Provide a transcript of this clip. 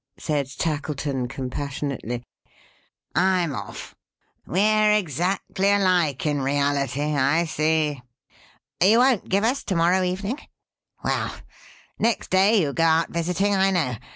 said Tackleton, compassionately. "I'm off. We're exactly alike, in reality, I see. You won't give us to morrow evening? Well! Next day you go out visiting, I know.